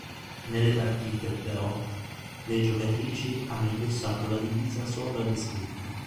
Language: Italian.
Nelle partite, però, le giocatrici hanno indossato la divisa sopra descritta.